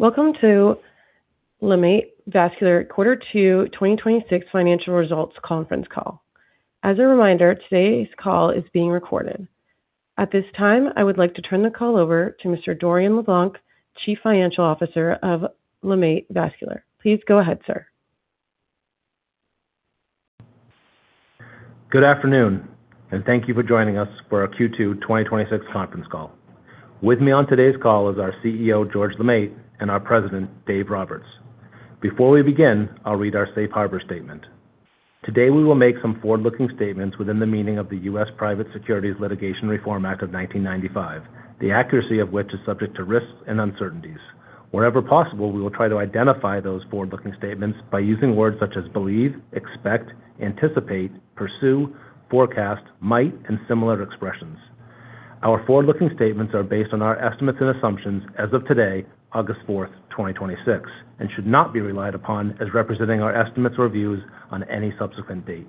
Welcome to LeMaitre Vascular Quarter Two 2026 Financial Results Conference Call. As a reminder, today's call is being recorded. At this time, I would like to turn the call over to Mr. Dorian LeBlanc, Chief Financial Officer of LeMaitre Vascular. Please go ahead, sir. Good afternoon, thank you for joining us for our Q2 2026 conference call. With me on today's call is our CEO, George LeMaitre, and our President, Dave Roberts. Before we begin, I'll read our safe harbor statement. Today we will make some forward-looking statements within the meaning of the U.S. Private Securities Litigation Reform Act of 1995, the accuracy of which is subject to risks and uncertainties. Wherever possible, we will try to identify those forward-looking statements by using words such as believe, expect, anticipate, pursue, forecast, might, and similar expressions. Our forward-looking statements are based on our estimates and assumptions as of today, August 4th, 2026, and should not be relied upon as representing our estimates or views on any subsequent date.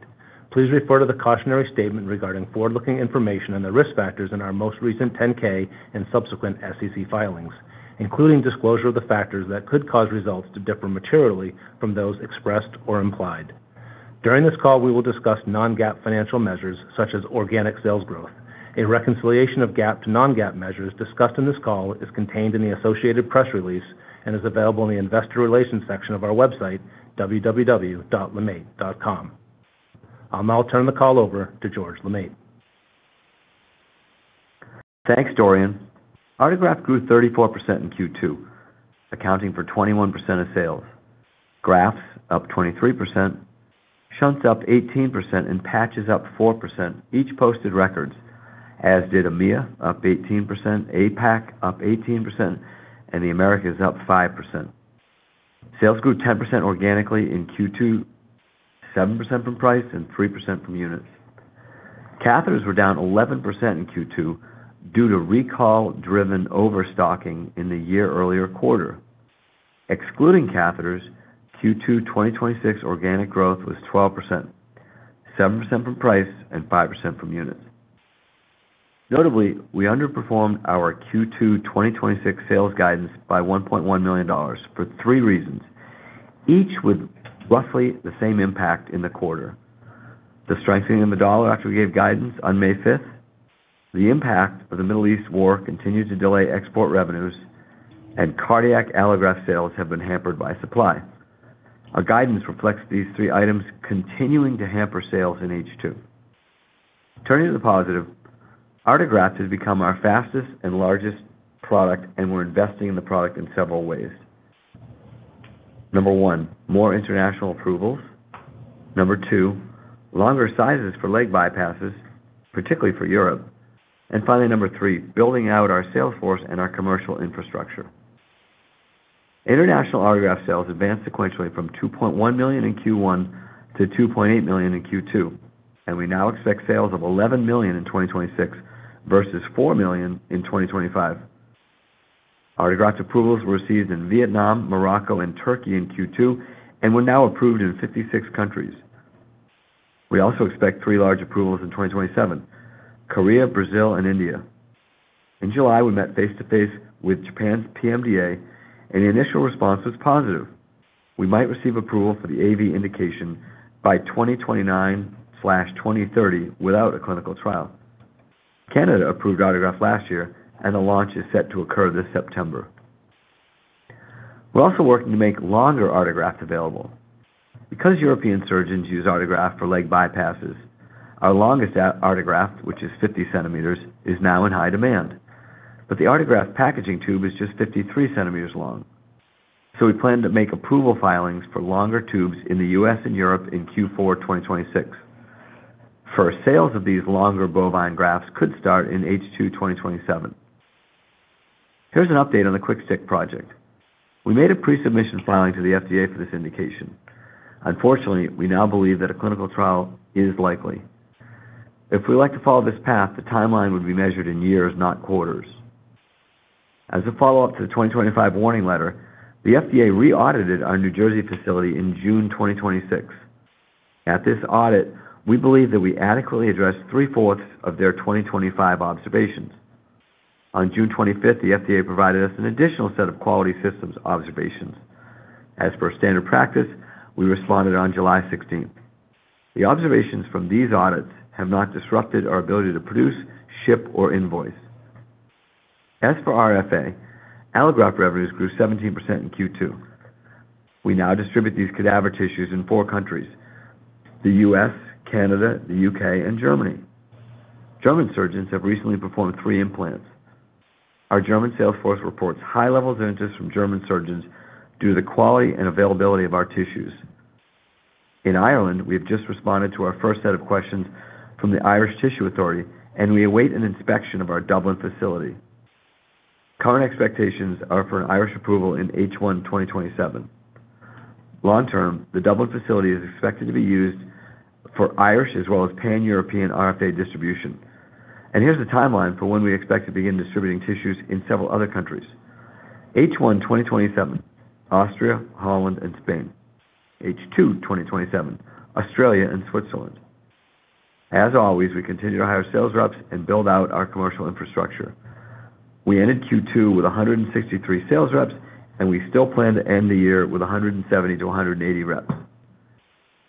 Please refer to the cautionary statement regarding forward-looking information and the risk factors in our most recent 10-K and subsequent SEC filings, including disclosure of the factors that could cause results to differ materially from those expressed or implied. During this call, we will discuss non-GAAP financial measures such as organic sales growth. A reconciliation of GAAP to non-GAAP measures discussed in this call is contained in the associated press release and is available in the investor relations section of our website, www.lemaitre.com. I'll now turn the call over to George LeMaitre. Thanks, Dorian. Artegraft grew 34% in Q2, accounting for 21% of sales. Grafts up 23%, shunts up 18%, and patches up 4%. Each posted records, as did EMEA up 18%, APAC up 18%, and the Americas up 5%. Sales grew 10% organically in Q2, 7% from price, and 3% from units. Catheters were down 11% in Q2 due to recall-driven overstocking in the year-earlier quarter. Excluding catheters, Q2 2026 organic growth was 12%, 7% from price and 5% from units. Notably, we underperformed our Q2 2026 sales guidance by $1.1 million for three reasons, each with roughly the same impact in the quarter. The strengthening of the dollar after we gave guidance on May 5th, the impact of the Middle East war continued to delay export revenues, and cardiac allograft sales have been hampered by supply. Our guidance reflects these three items continuing to hamper sales in H2. Turning to the positive, Artegraft has become our fastest and largest product, and we're investing in the product in several ways. Number one, more international approvals. Number two, longer sizes for leg bypasses, particularly for Europe. Number three, building out our sales force and our commercial infrastructure. International Artegraft sales advanced sequentially from $2.1 million in Q1 to $2.8 million in Q2. We now expect sales of $11 million in 2026 versus $4 million in 2025. Artegraft's approvals were received in Vietnam, Morocco, and Turkey in Q2. We are now approved in 56 countries. We also expect three large approvals in 2027, Korea, Brazil, and India. In July, we met face-to-face with Japan's PMDA. The initial response was positive. We might receive approval for the AV indication by 2029/2030 without a clinical trial. Canada approved Artegraft last year. The launch is set to occur this September. We're also working to make longer Artegrafts available. Because European surgeons use Artegraft for leg bypasses, our longest Artegraft, which is 50 centimeters, is now in high demand. The Artegraft packaging tube is just 53 centimeters long. We plan to make approval filings for longer tubes in the U.S. and Europe in Q4 2026, for sales of these longer bovine grafts could start in H2 2027. Here's an update on the QuickStitch project. We made a pre-submission filing to the FDA for this indication. Unfortunately, we now believe that a clinical trial is likely. If we like to follow this path, the timeline would be measured in years, not quarters. As a follow-up to the 2025 warning letter, the FDA re-audited our New Jersey facility in June 2026. At this audit, we believe that we adequately addressed three-fourths of their 2025 observations. On June 25th, the FDA provided us an additional set of quality systems observations. As per standard practice, we responded on July 16th. The observations from these audits have not disrupted our ability to produce, ship, or invoice. As for RFA, allograft revenues grew 17% in Q2. We now distribute these cadaver tissues in four countries: the U.S., Canada, the U.K., and Germany. German surgeons have recently performed three implants. Our German sales force reports high levels of interest from German surgeons due to the quality and availability of our tissues. In Ireland, we have just responded to our first set of questions from the Irish Tissue Authority. We await an inspection of our Dublin facility. Current expectations are for an Irish approval in H1 2027. Long term, the Dublin facility is expected to be used for Irish as well as Pan-European RFA distribution. Here's the timeline for when we expect to begin distributing tissues in several other countries. H1 2027, Austria, Holland, and Spain. H2 2027, Australia and Switzerland. As always, we continue to hire sales reps and build out our commercial infrastructure. We ended Q2 with 163 sales reps. We still plan to end the year with 170 to 180 reps.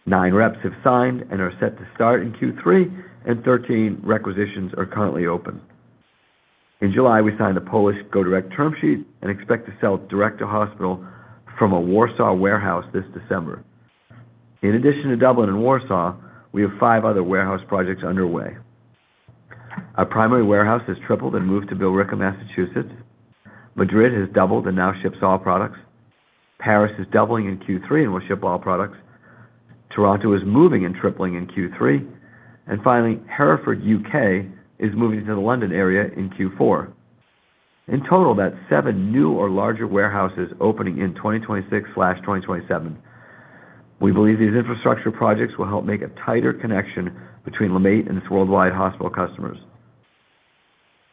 Nine reps have signed and are set to start in Q3. 13 requisitions are currently open. In July, we signed a Polish go-direct term sheet. We expect to sell direct to hospital from a Warsaw warehouse this December. In addition to Dublin and Warsaw, we have five other warehouse projects underway. Our primary warehouse has tripled and moved to Billerica, Massachusetts. Madrid has doubled and now ships all products. Paris is doubling in Q3 and will ship all products. Toronto is moving and tripling in Q3. Finally, Hereford, U.K., is moving to the London area in Q4. In total, that's seven new or larger warehouses opening in 2026/2027. We believe these infrastructure projects will help make a tighter connection between LeMaitre and its worldwide hospital customers.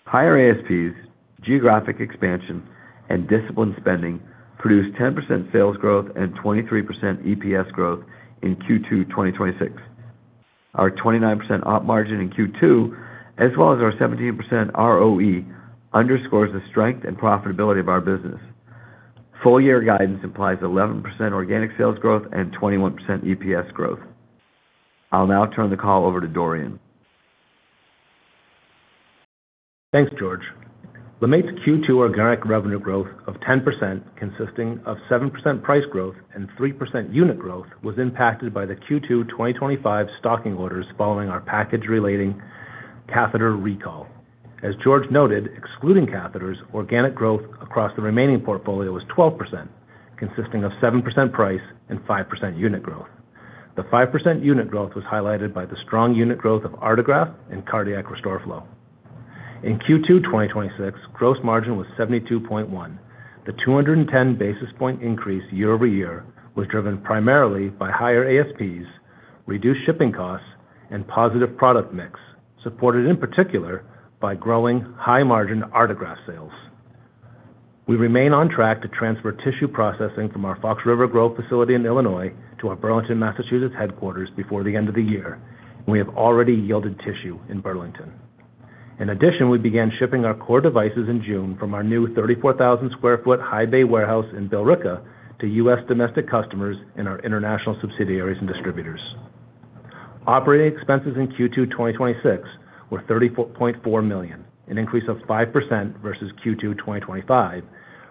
Higher ASPs, geographic expansion, and disciplined spending produced 10% sales growth and 23% EPS growth in Q2 2026. Our 29% op margin in Q2, as well as our 17% ROE, underscores the strength and profitability of our business. Full year guidance implies 11% organic sales growth and 21% EPS growth. I'll now turn the call over to Dorian. Thanks, George. LeMaitre's Q2 organic revenue growth of 10%, consisting of 7% price growth and 3% unit growth, was impacted by the Q2 2025 stocking orders following our package relating catheter recall. As George noted, excluding catheters, organic growth across the remaining portfolio was 12%, consisting of 7% price and 5% unit growth. The 5% unit growth was highlighted by the strong unit growth of Artegraft and Cardiac RestoreFlow. In Q2 2026, gross margin was 72.1%. The 210 basis point increase year-over-year was driven primarily by higher ASPs, reduced shipping costs, and positive product mix, supported in particular by growing high-margin Artegraft sales. We remain on track to transfer tissue processing from our Fox River Grove facility in Illinois to our Burlington, Massachusetts headquarters before the end of the year, and we have already yielded tissue in Burlington. In addition, we began shipping our core devices in June from our new 34,000 sq ft high bay warehouse in Billerica to U.S. domestic customers and our international subsidiaries and distributors. Operating expenses in Q2 2026 were $34.4 million, an increase of 5% versus Q2 2025,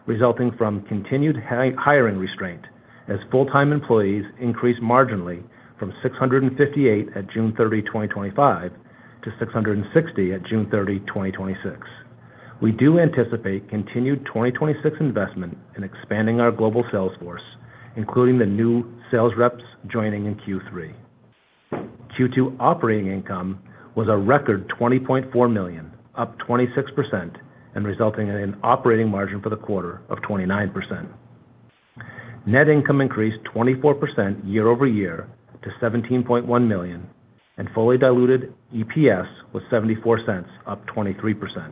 resulting from continued hiring restraint as full-time employees increased marginally from 658 at June 30, 2025, to 660 at June 30, 2026. We do anticipate continued 2026 investment in expanding our global sales force, including the new sales reps joining in Q3. Q2 operating income was a record $20.4 million, up 26% and resulting in an operating margin for the quarter of 29%. Net income increased 24% year-over-year to $17.1 million, and fully diluted EPS was $0.74, up 23%.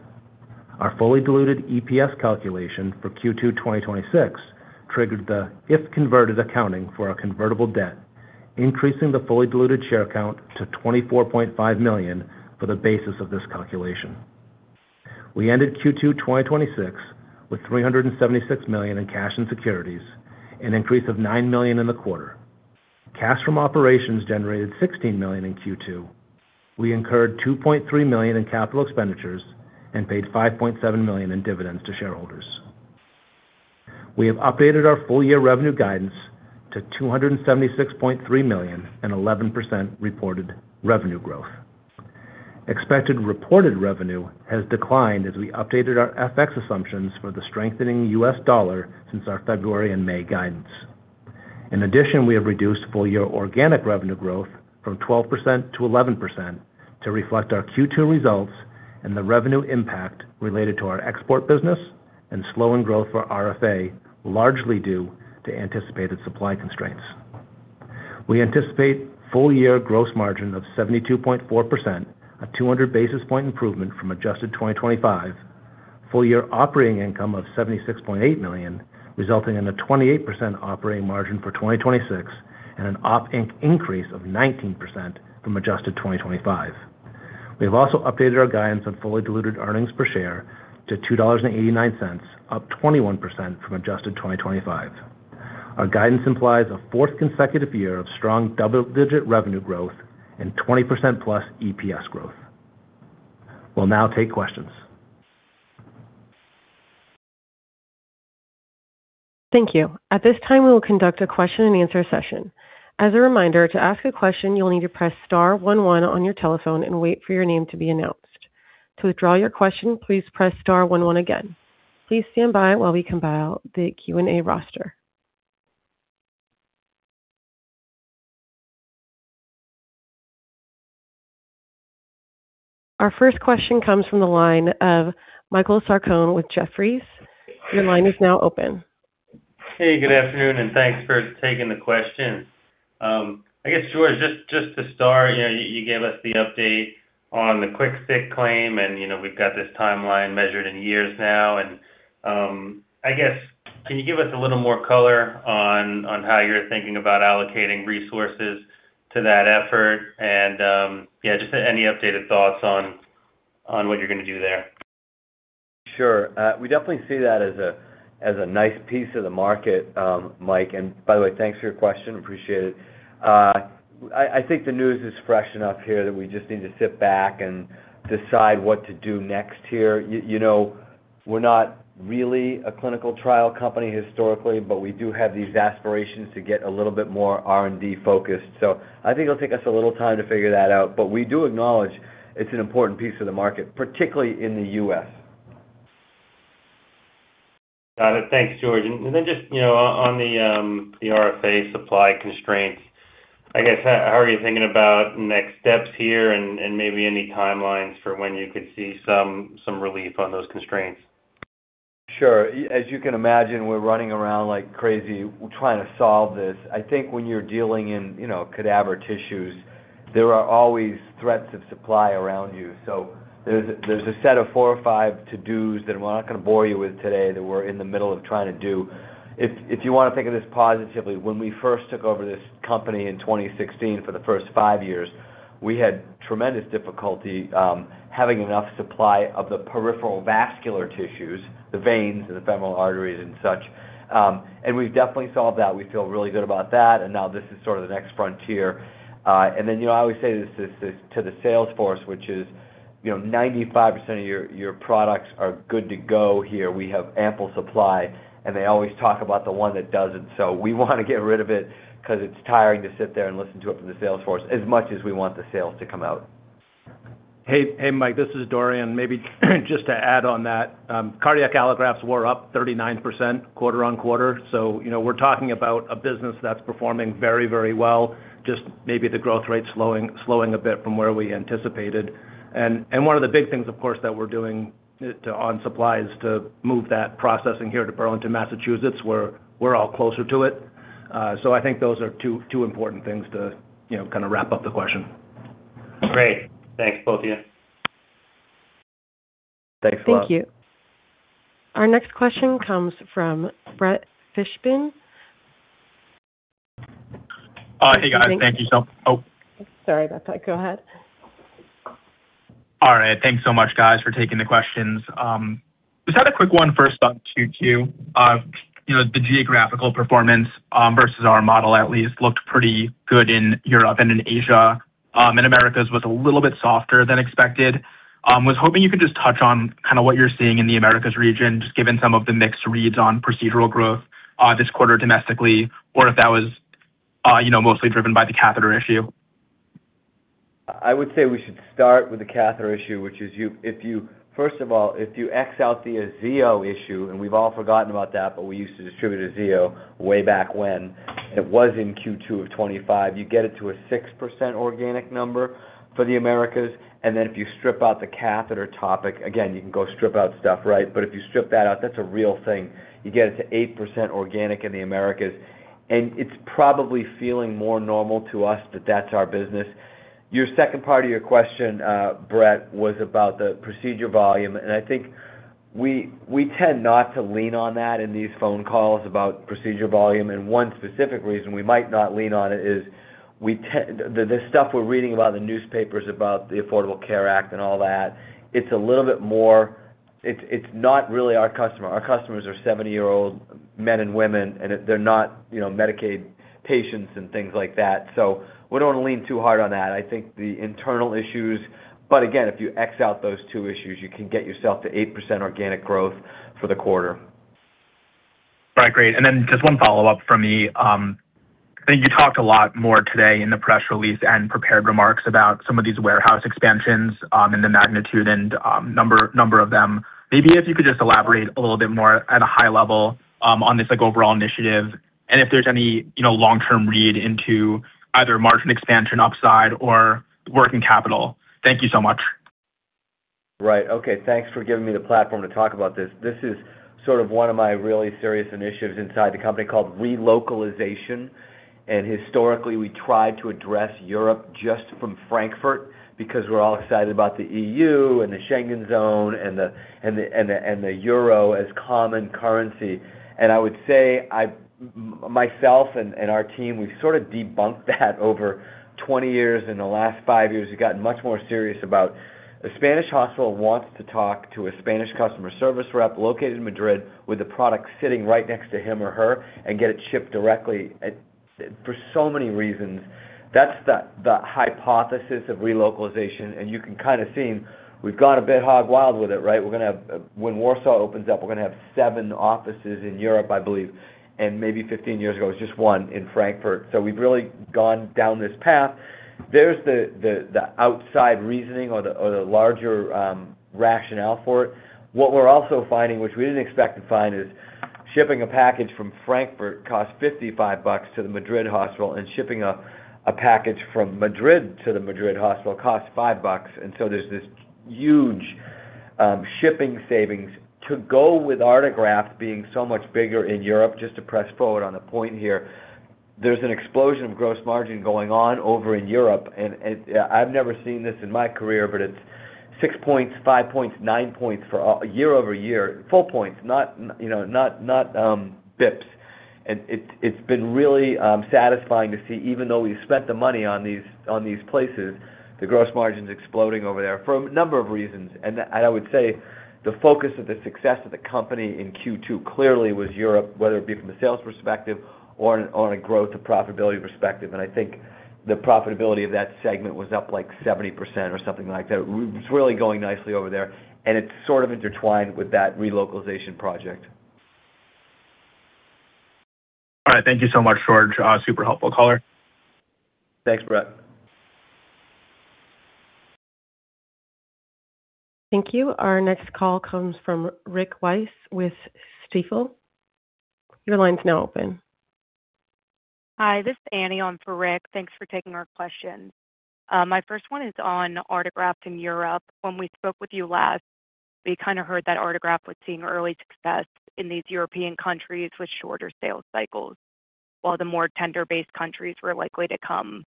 Our fully diluted EPS calculation for Q2 2026 triggered the if converted accounting for our convertible debt, increasing the fully diluted share count to 24.5 million for the basis of this calculation. We ended Q2 2026 with $376 million in cash and securities, an increase of $9 million in the quarter. Cash from operations generated $16 million in Q2. We incurred $2.3 million in capital expenditures and paid $5.7 million in dividends to shareholders. We have updated our full year revenue guidance to $276.3 million and 11% reported revenue growth. Expected reported revenue has declined as we updated our FX assumptions for the strengthening U.S. dollar since our February and May guidance. We have reduced full year organic revenue growth from 12% to 11% to reflect our Q2 results and the revenue impact related to our export business and slowing growth for RFA, largely due to anticipated supply constraints. We anticipate full year gross margin of 72.4%, a 200 basis point improvement from adjusted 2025. Full year operating income of $76.8 million, resulting in a 28% operating margin for 2026 and an op inc increase of 19% from adjusted 2025. We have also updated our guidance on fully diluted earnings per share to $2.89, up 21% from adjusted 2025. Our guidance implies a fourth consecutive year of strong double-digit revenue growth and 20%+ EPS growth. We will now take questions. Thank you. At this time, we will conduct a question and answer session. As a reminder, to ask a question, you will need to press star one one on your telephone and wait for your name to be announced. To withdraw your question, please press star one one again. Please stand by while we compile the Q&A roster. Our first question comes from the line of Michael Sarcone with Jefferies. Your line is now open. Hey, good afternoon, and thanks for taking the question. I guess, George, just to start, you gave us the update on the Quick Stick claim, we have got this timeline measured in years now, I guess, can you give us a little more color on how you are thinking about allocating resources to that effort and just any updated thoughts on what you are going to do there? Sure. We definitely see that as a nice piece of the market, Mike. By the way, thanks for your question. Appreciate it. I think the news is fresh enough here that we just need to sit back and decide what to do next here. We are not really a clinical trial company historically, but we do have these aspirations to get a little bit more R&D focused. I think it will take us a little time to figure that out, but we do acknowledge it is an important piece of the market, particularly in the U.S. Got it. Thanks, George. Just on the RestoreFlow supply constraints, I guess, how are you thinking about next steps here and maybe any timelines for when you could see some relief on those constraints? Sure. As you can imagine, we're running around like crazy trying to solve this. I think when you're dealing in cadaver tissues, there are always threats of supply around you. There's a set of four or five to-dos that we're not going to bore you with today, that we're in the middle of trying to do. If you want to think of this positively, when we first took over this company in 2016 for the first five years, we had tremendous difficulty having enough supply of the peripheral vascular tissues, the veins and the femoral arteries and such. We've definitely solved that. We feel really good about that. This is sort of the next frontier. I always say this to the sales force, which is 95% of your products are good to go here. We have ample supply, and they always talk about the one that doesn't. We want to get rid of it because it's tiring to sit there and listen to it from the sales force as much as we want the sales to come out. Hey, Mike, this is Dorian. Maybe just to add on that. Cardiac allografts were up 39% quarter-on-quarter. We're talking about a business that's performing very well. Just maybe the growth rate slowing a bit from where we anticipated. One of the big things, of course, that we're doing on supply is to move that processing here to Burlington, Massachusetts, where we're all closer to it. I think those are two important things to kind of wrap up the question. Great. Thanks to both of you. Thanks a lot. Thank you. Our next question comes from Brett Fishbin. Hey, guys. Thank you. Sorry about that. Go ahead. All right. Thanks so much, guys, for taking the questions. Just had a quick one first on Q2. The geographical performance versus our model at least looked pretty good in Europe and in Asia. Americas was a little bit softer than expected. Was hoping you could just touch on what you're seeing in the Americas region, just given some of the mixed reads on procedural growth this quarter domestically, or if that was mostly driven by the catheter issue. I would say we should start with the catheter issue, which is, first of all, if you X-out the Aziyo issue, we've all forgotten about that, but we used to distribute Aziyo way back when it was in Q2 of 2025. You get it to a 6% organic number for the Americas. Then if you strip out the catheter topic, again, you can go strip out stuff, right? But if you strip that out, that's a real thing. You get it to 8% organic in the Americas, it's probably feeling more normal to us that that's our business. Your second part of your question, Brett, was about the procedure volume, I think we tend not to lean on that in these phone calls about procedure volume. One specific reason we might not lean on it is the stuff we're reading about in the newspapers about the Affordable Care Act and all that, it's not really our customer. Our customers are 70-year-old men and women, and they're not Medicaid patients and things like that. We don't want to lean too hard on that. I think the internal issues, again, if you X out those two issues, you can get yourself to 8% organic growth for the quarter. Right. Great. Then just one follow-up from me. I think you talked a lot more today in the press release and prepared remarks about some of these warehouse expansions and the magnitude and number of them. Maybe if you could just elaborate a little bit more at a high level on this overall initiative, and if there's any long-term read into either margin expansion upside or working capital. Thank you so much. Right. Okay. Thanks for giving me the platform to talk about this. This is sort of one of my really serious initiatives inside the company called relocalization. Historically, we tried to address Europe just from Frankfurt because we're all excited about the EU and the Schengen zone and the euro as common currency. I would say, myself and our team, we've sort of debunked that over 20 years. In the last five years, we've gotten much more serious about a Spanish hospital wants to talk to a Spanish customer service rep located in Madrid with the product sitting right next to him or her and get it shipped directly for so many reasons. That's the hypothesis of relocalization, you can kind of see we've gone a bit hog wild with it, right? When Warsaw opens up, we're going to have seven offices in Europe, I believe. Maybe 15 years ago, it was just one in Frankfurt. We've really gone down this path. There's the outside reasoning or the larger rationale for it. What we're also finding, which we didn't expect to find, is shipping a package from Frankfurt costs $55 to the Madrid hospital, shipping a package from Madrid to the Madrid hospital costs $5. There's this huge shipping savings to go with Artegraft being so much bigger in Europe. Just to press forward on a point here. There's an explosion of gross margin going on over in Europe, I've never seen this in my career, but it's six points, five points, nine points year-over-year. Full points, not bps. It's been really satisfying to see even though we spent the money on these places, the gross margin's exploding over there for a number of reasons. I would say the focus of the success of the company in Q2 clearly was Europe, whether it be from a sales perspective or on a growth to profitability perspective. I think the profitability of that segment was up like 70% or something like that. It's really going nicely over there, it's sort of intertwined with that relocalization project. All right. Thank you so much, George. Super helpful color. Thanks, Brett. Thank you. Our next call comes from Rick Wise with Stifel. Your line's now open. Hi, this is Annie on for Rick. Thanks for taking our question. My first one is on Artegraft in Europe. When we spoke with you last, we kind of heard that Artegraft was seeing early success in these European countries with shorter sales cycles while the more tender-based countries were likely to come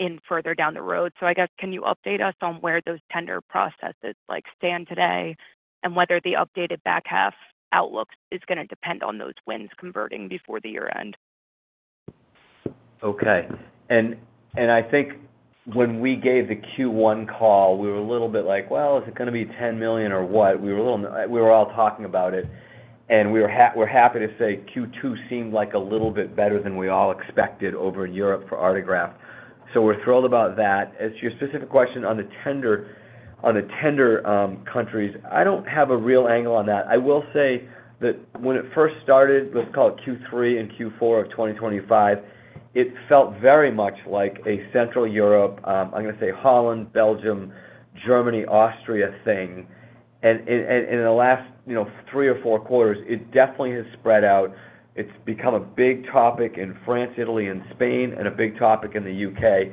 in further down the road. I guess, can you update us on where those tender processes stand today, and whether the updated back half outlook is going to depend on those wins converting before the year end? Okay. I think when we gave the Q1 call, we were a little bit like, "Well, is it going to be $10 million or what?" We were all talking about it, and we're happy to say Q2 seemed like a little bit better than we all expected over in Europe for Artegraft. We're thrilled about that. As to your specific question on the tender countries, I don't have a real angle on that. I will say that when it first started, let's call it Q3 and Q4 of 2025, it felt very much like a central Europe, I'm going to say Holland, Belgium, Germany, Austria thing. In the last three or four quarters, it definitely has spread out. It's become a big topic in France, Italy, and Spain, and a big topic in the U.K.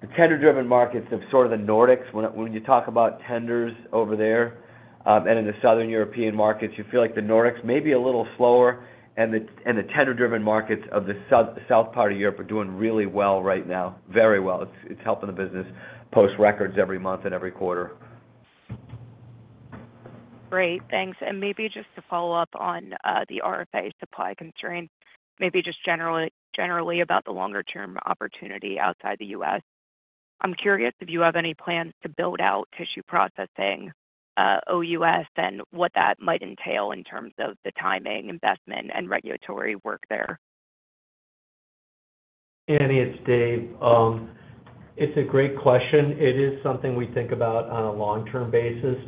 The tender-driven markets of sort of the Nordics, when you talk about tenders over there, and in the Southern European markets, you feel like the Nordics may be a little slower, and the tender-driven markets of the south part of Europe are doing really well right now. Very well. It's helping the business post records every month and every quarter. Great. Thanks. Maybe just to follow up on the RFA supply constraint, maybe just generally about the longer-term opportunity outside the U.S. I'm curious if you have any plans to build out tissue processing OUS and what that might entail in terms of the timing, investment, and regulatory work there. Annie, it's Dave. It's a great question. It is something we think about on a long-term basis,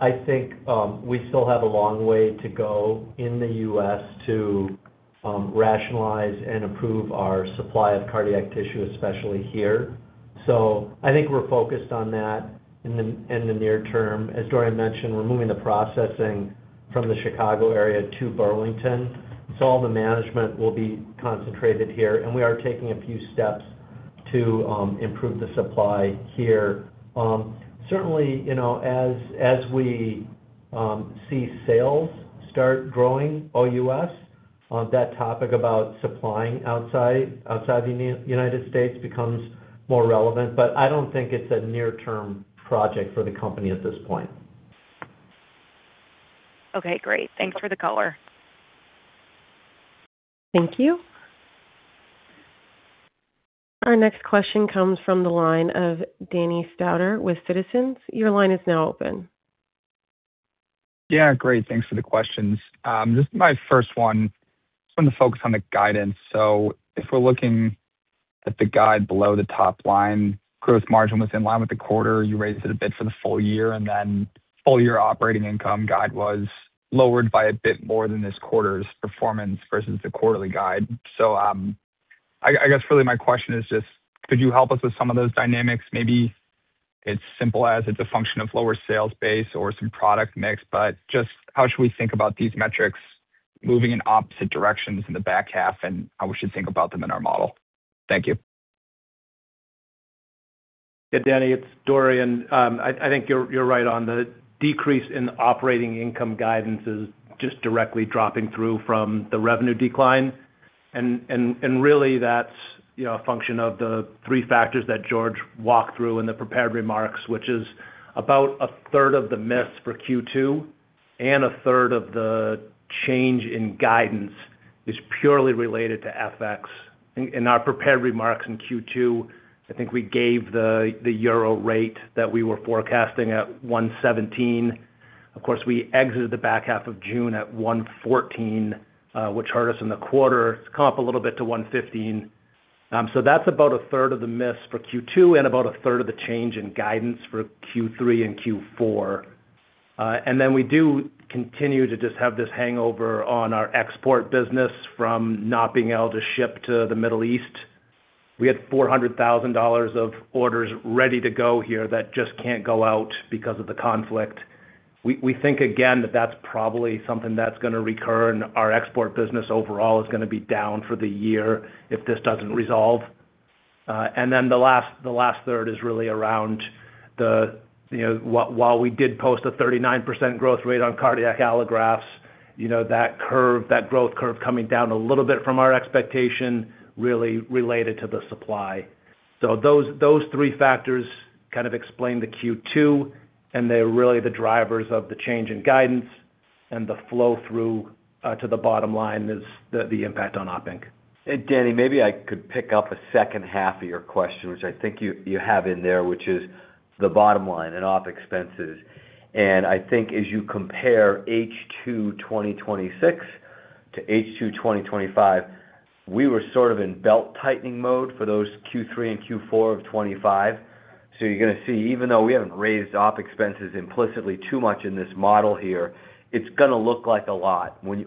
I think we still have a long way to go in the U.S. to rationalize and improve our supply of cardiac tissue, especially here. I think we're focused on that in the near term. As Dorian mentioned, we're moving the processing from the Chicago area to Burlington. All the management will be concentrated here, and we are taking a few steps to improve the supply here. Certainly, as we see sales start growing OUS, that topic about supplying outside the United States becomes more relevant. I don't think it's a near-term project for the company at this point. Okay, great. Thanks for the color. Thank you. Our next question comes from the line of Danny Stauder with Citizens. Your line is now open. Great. Thanks for the questions. My first one, just want to focus on the guidance. If we're looking at the guide below the top line, gross margin was in line with the quarter. You raised it a bit for the full year, full year Operating Income guide was lowered by a bit more than this quarter's performance versus the quarterly guide. I guess really my question is just could you help us with some of those dynamics? Maybe it's simple as it's a function of lower sales base or some product mix, but just how should we think about these metrics moving in opposite directions in the back half and how we should think about them in our model? Thank you. Danny, it's Dorian. I think you're right on the decrease in Operating Income guidance is just directly dropping through from the revenue decline. Really that's a function of the three factors that George walked through in the prepared remarks, which is about a 1/3 of the miss for Q2 and a 1/3 of the change in guidance is purely related to FX. In our prepared remarks in Q2, I think we gave the euro rate that we were forecasting at 117. Of course, we exited the back half of June at 114, which hurt us in the quarter. It's come up a little bit to 115. That's about a 1/3 of the miss for Q2 and about a 1/3 of the change in guidance for Q3 and Q4. We do continue to just have this hangover on our export business from not being able to ship to the Middle East. We had $400,000 of orders ready to go here that just can't go out because of the conflict. We think again, that's probably something that's going to recur, and our export business overall is going to be down for the year if this doesn't resolve. The last third is really around while we did post a 39% growth rate on cardiac allografts, that growth curve coming down a little bit from our expectation really related to the supply. Those three factors kind of explain the Q2, and they're really the drivers of the change in guidance and the flow-through to the bottom line is the impact on Operating Income. Danny, maybe I could pick up a second half of your question, which I think you have in there, which is the bottom line and op expenses. I think as you compare H2 2026 to H2 2025, we were sort of in belt-tightening mode for those Q3 and Q4 of 2025. You're going to see, even though we haven't raised op expenses implicitly too much in this model here, it's going to look like a lot when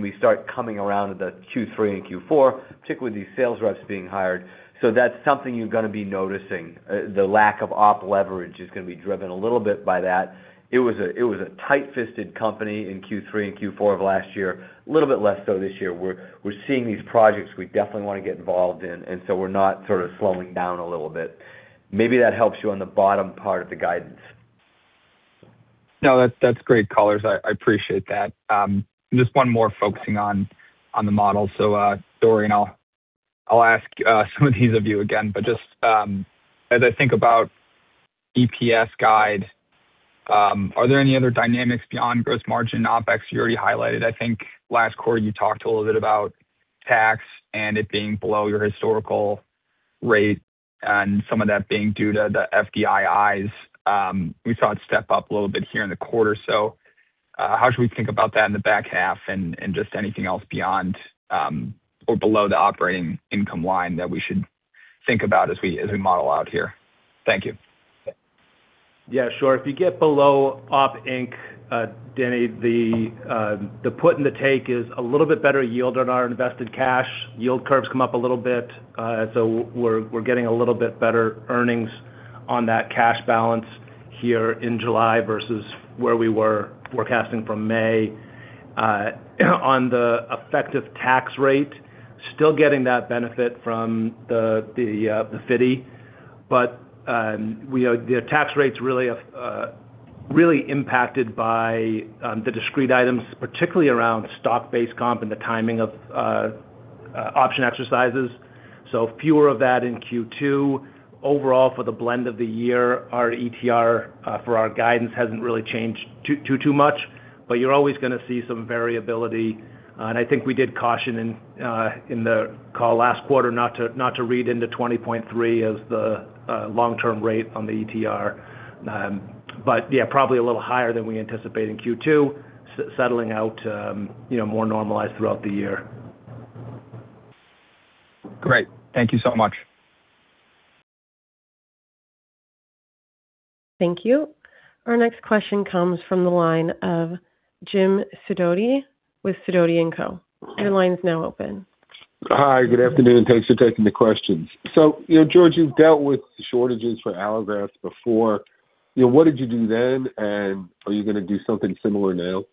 we start coming around to the Q3 and Q4, particularly these sales reps being hired. That's something you're going to be noticing. The lack of op leverage is going to be driven a little bit by that. It was a tight-fisted company in Q3 and Q4 of last year, a little bit less so this year. We're seeing these projects we definitely want to get involved in, and so we're not sort of slowing down a little bit. Maybe that helps you on the bottom part of the guidance. No, that's great, callers. I appreciate that. Just one more focusing on the model. Dorian, I'll ask some of these of you again, but just as I think about EPS guide, are there any other dynamics beyond gross margin OpEx you already highlighted? I think last quarter you talked a little bit about tax and it being below your historical rate and some of that being due to the FDIIs. We saw it step up a little bit here in the quarter or so. How should we think about that in the back half and just anything else beyond or below the Operating Income line that we should think about as we model out here? Thank you. Yeah, sure. If you get below Operating Income, Danny, the put and the take is a little bit better yield on our invested cash. Yield curves come up a little bit, we're getting a little bit better earnings on that cash balance here in July versus where we were forecasting from May. On the effective tax rate, still getting that benefit from the FDII, the tax rate's really impacted by the discrete items, particularly around stock-based comp and the timing of option exercises. Fewer of that in Q2. Overall, for the blend of the year, our ETR for our guidance hasn't really changed too much, you're always going to see some variability, and I think we did caution in the call last quarter not to read into 20.3 as the long-term rate on the ETR. Yeah, probably a little higher than we anticipate in Q2, settling out more normalized throughout the year. Great. Thank you so much. Thank you. Our next question comes from the line of Jim Sidoti with Sidoti & Company. Your line is now open. Hi, good afternoon. Thanks for taking the questions. George, you've dealt with shortages for allografts before. What did you do then, and are you going to do something similar now?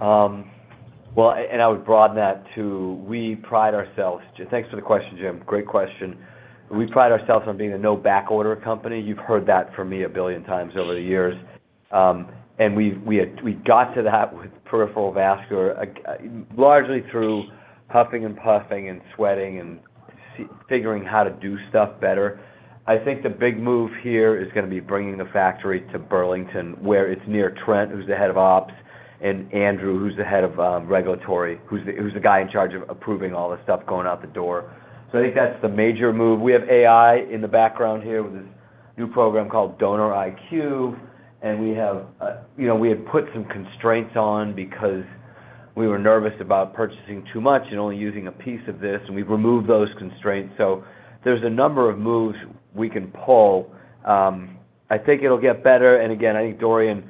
I would broaden that to, we pride ourselves. Thanks for the question, Jim. Great question. We pride ourselves on being a no backorder company. You've heard that from me a billion times over the years. We got to that with peripheral vascular, largely through huffing and puffing and sweating and figuring how to do stuff better. I think the big move here is going to be bringing the factory to Burlington, where it's near Trent, who's the head of ops, and Andrew, who's the head of regulatory, who's the guy in charge of approving all the stuff going out the door. I think that's the major move. We have AI in the background here with this new program called DonorIQ, we have put some constraints on because we were nervous about purchasing too much and only using a piece of this, and we've removed those constraints. There's a number of moves we can pull. I think it'll get better, and again, I think Dorian,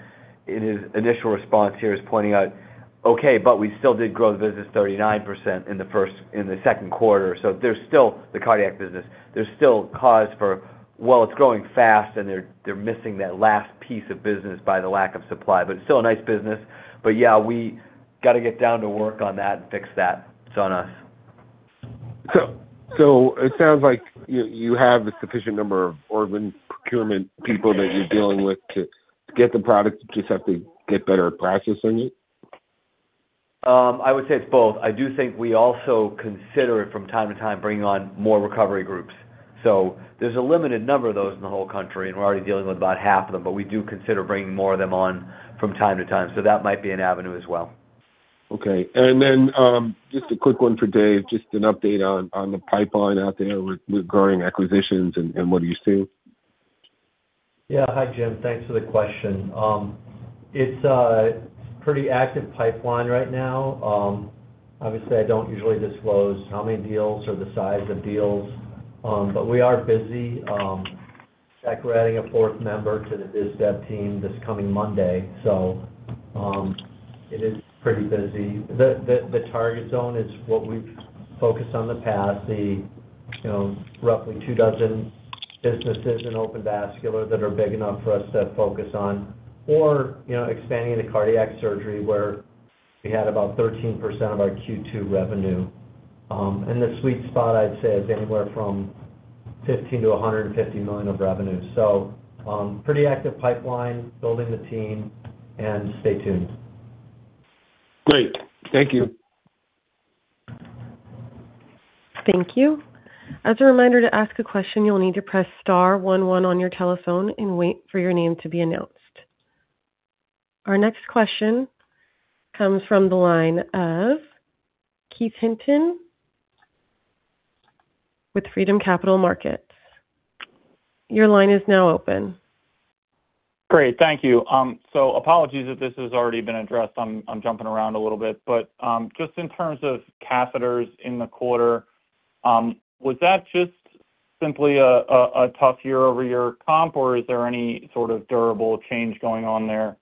in his initial response here, is pointing out, okay, but we still did grow the business 39% in the second quarter. There's still the cardiac business. There's still cause for, well, it's growing fast and they're missing that last piece of business by the lack of supply, but it's still a nice business. Yeah, we got to get down to work on that and fix that. It's on us. It sounds like you have a sufficient number of organ procurement people that you're dealing with to get the product. You just have to get better at processing it? I would say it's both. I do think we also consider it from time to time, bringing on more recovery groups. There's a limited number of those in the whole country, and we're already dealing with about half of them, but we do consider bringing more of them on from time to time. That might be an avenue as well. Okay. Just a quick one for Dave, just an update on the pipeline out there regarding acquisitions and what are you seeing? Yeah. Hi, Jim. Thanks for the question. It's a pretty active pipeline right now. Obviously, I don't usually disclose how many deals or the size of deals, but we are busy. In fact, we're adding a fourth member to the biz dev team this coming Monday. It is pretty busy. The target zone is what we've focused on the past, the roughly two dozen businesses in open vascular that are big enough for us to focus on, or expanding into cardiac surgery where We had about 13% of our Q2 revenue. The sweet spot, I'd say, is anywhere from $15 million-$150 million of revenue. Pretty active pipeline, building the team, and stay tuned. Great. Thank you. Thank you. As a reminder, to ask a question, you'll need to press star one one on your telephone and wait for your name to be announced. Our next question comes from the line of Keith Hinton with Freedom Capital Markets. Your line is now open. Great. Thank you. Apologies if this has already been addressed. I'm jumping around a little bit. Just in terms of catheters in the quarter, was that just simply a tough year-over-year comp, or is there any sort of durable change going on there,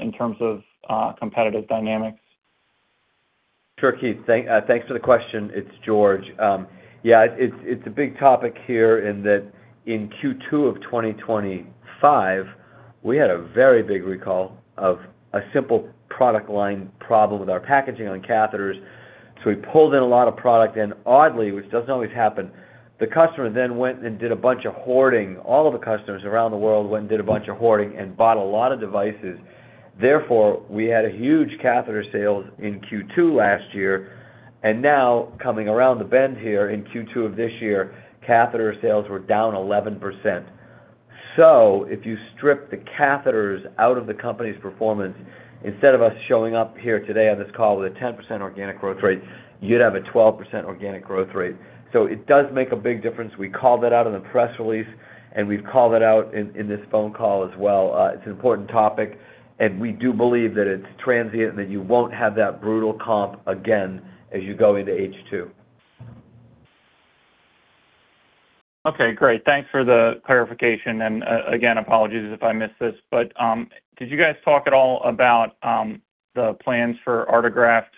in terms of competitive dynamics? Sure, Keith. Thanks for the question. It is George. It is a big topic here in that in Q2 2025, we had a very big recall of a simple product line problem with our packaging on catheters. We pulled in a lot of product. Oddly, which does not always happen, the customer then went and did a bunch of hoarding. All of the customers around the world went and did a bunch of hoarding and bought a lot of devices. We had a huge catheter sales in Q2 last year. Now, coming around the bend here in Q2 this year, catheter sales were down 11%. If you strip the catheters out of the company's performance, instead of us showing up here today on this call with a 10% organic growth rate, you would have a 12% organic growth rate. It does make a big difference. We called that out in the press release, and we have called it out in this phone call as well. It is an important topic, and we do believe that it is transient and that you will not have that brutal comp again as you go into H2. Okay, great. Thanks for the clarification. Again, apologies if I missed this. Did you guys talk at all about the plans for Artegraft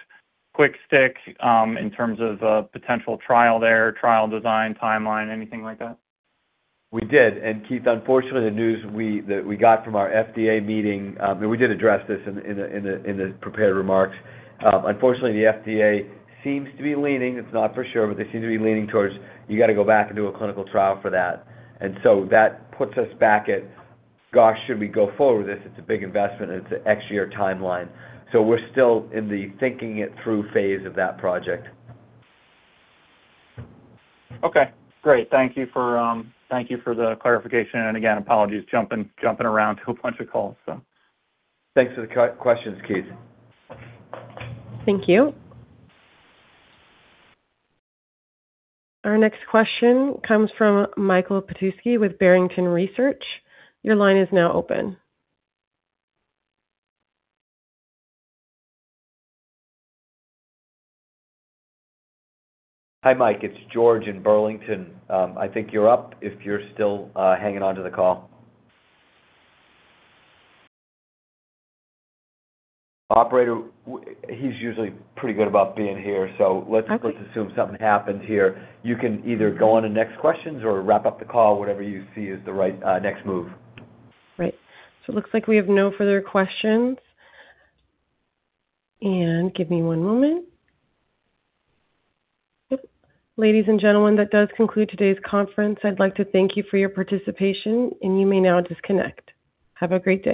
QuickStitch in terms of a potential trial there, trial design timeline, anything like that? We did. Keith, unfortunately, the news that we got from our FDA meeting, and we did address this in the prepared remarks. The FDA seems to be leaning, it is not for sure, but they seem to be leaning towards, "You have to go back and do a clinical trial for that." That puts us back at, gosh, should we go forward with this? It is a big investment, and it is an X-year timeline. We are still in the thinking it through phase of that project. Okay. Great. Thank you for the clarification. Again, apologies, jumping around to a bunch of calls. Thanks for the questions, Keith. Thank you. Our next question comes from Michael Petusky with Barrington Research. Your line is now open. Hi, Mike. It's George in Barrington. I think you're up if you're still hanging on to the call. Operator, he's usually pretty good about being here. Okay. Assume something happened here. You can either go on to next questions or wrap up the call, whatever you see is the right next move. Right. It looks like we have no further questions. Give me one moment. Yep. Ladies and gentlemen, that does conclude today's conference. I'd like to thank you for your participation, and you may now disconnect. Have a great day.